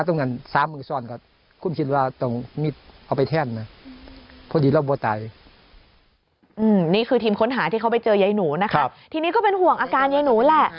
ต้องมีตัวตายตัวแทน